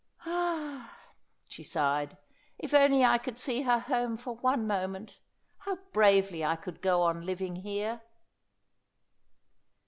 "Ah," she sighed, "if I could only see her home for one moment, how bravely I could go on living here!"